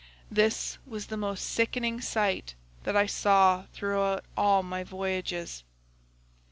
This was the most sickening sight that I saw throughout all my voyages.